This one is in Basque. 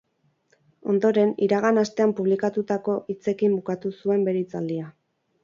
Ondoren, iragan astean publikatutako hitzekin bukatu zuen bere hitzaldia.